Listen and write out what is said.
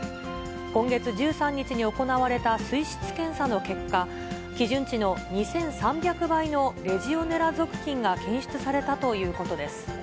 今月１３日に行われた水質検査の結果、基準値の２３００倍のレジオネラ属菌が検出されたということです。